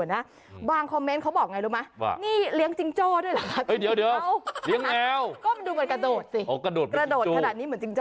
อย่างที่ฉันบอกใน